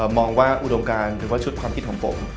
มองว่าอุดมการหรือว่าชุดความคิดของผม